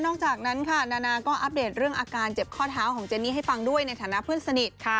จากนั้นค่ะนานาก็อัปเดตเรื่องอาการเจ็บข้อเท้าของเจนนี่ให้ฟังด้วยในฐานะเพื่อนสนิท